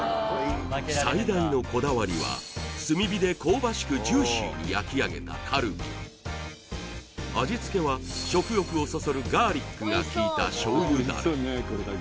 最大のこだわりは炭火で香ばしくジューシーに焼き上げたカルビ味付けは食欲をそそるガーリックが効いた醤油ダレ